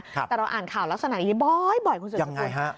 แต่เราอ่านข่าวลักษณะนี้บ่อยคุณสุดสกุล